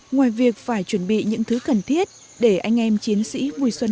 ngoài việc phải chuẩn bị những thứ cần thiết để anh em chiến sĩ vùi xuân đại